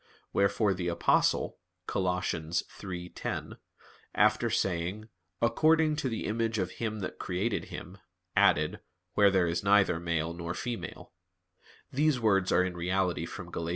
Wherefore the Apostle (Col. 3:10), after saying, "According to the image of Him that created him," added, "Where there is neither male nor female" [*these words are in reality from Gal.